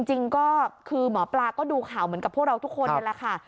จริงก็คือหมอปลาก็ดูข่าวเหมือนกับพวกเราทุกคนนั่นแหละค่ะ